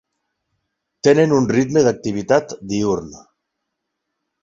Tenen un ritme d'activitat diürn.